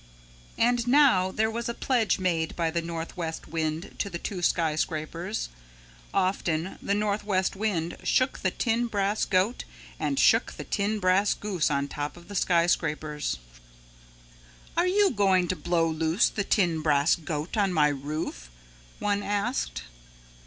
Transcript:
And now there was a pledge made by the Northwest Wind to the two skyscrapers. Often the Northwest Wind shook the tin brass goat and shook the tin brass goose on top of the skyscrapers. "Are you going to blow loose the tin brass goat on my roof?" one asked.